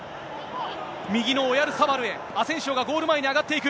右のオヤルサバルへ、アセンシオがゴール前に上がっていく。